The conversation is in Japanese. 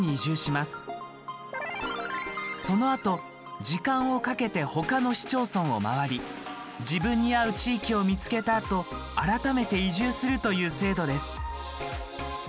そのあと時間をかけて他の市町村を回り自分に合う地域を見つけたあと改めて移住するという制度です。